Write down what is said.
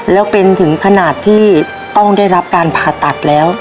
แล้วเป็นถึงขนาดที่ต้องได้รับการผ่าตัดแล้ว